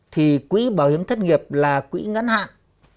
thì quỹ bảo hiểm thất nghiệp là quỹ ngắn hạn